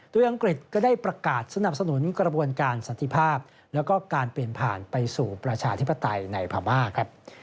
โดยอังกฤษก็ได้ประกาศสนับสนุนกระบวนการสันติภาพแล้วก็การเปลี่ยนผ่านไปสู่ประชาธิปไตยในพม่าครับ